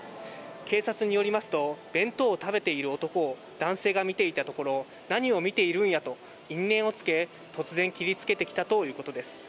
警察によりますと、弁当を食べている男を男性が見ていたところ、何を見ているんやと因縁をつけ、突然、切りつけてきたということです。